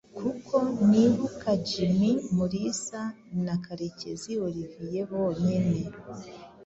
Kuko nibuka jimmy mulisa na karekezi Olivier bonyine